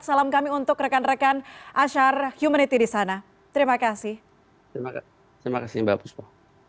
salam kami untuk rekan rekan asyar humanity di sana terima kasih terima kasih mbak fuspo